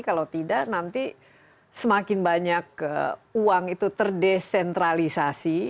kalau tidak nanti semakin banyak uang itu terdesentralisasi